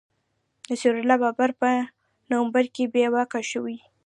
نصیر الله بابر په نومبر کي بې واکه شوی